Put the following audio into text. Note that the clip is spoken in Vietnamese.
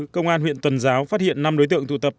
công an huyện tuần giáo phát hiện năm đối tượng tụ tập